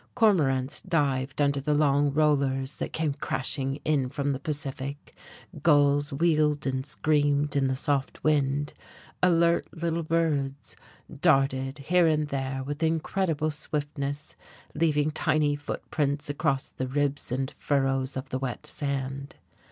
Cormorants dived under the long rollers that came crashing in from the Pacific; gulls wheeled and screamed in the soft wind; alert little birds darted here and there with incredible swiftness, leaving tiny footprints across the ribs and furrows of the wet sand.